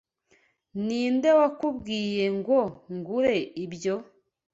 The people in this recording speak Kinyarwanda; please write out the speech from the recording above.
Ninde wakubwiye ngo ngure ibyo?